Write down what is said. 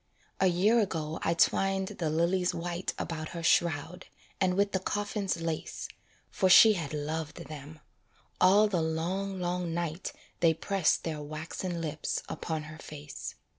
A year ago I twined the lilies white About her shroud, and with the coffin's lace, For she had loved them; all the long, long night They press their waxen lips upon her face.